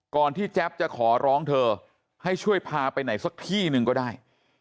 ที่แจ๊บจะขอร้องเธอให้ช่วยพาไปไหนสักที่หนึ่งก็ได้